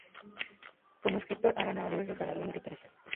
Como escritor, ha ganado diversos galardones literarios.